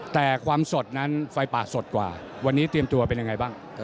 แต่ความสดนั้นไฟป่าสดกว่าวันนี้เตรียมตัวเป็นยังไงบ้าง